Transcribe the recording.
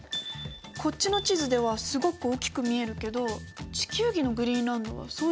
こっちの地図ではすごく大きく見えるけど地球儀のグリーンランドはそうでもないみたい。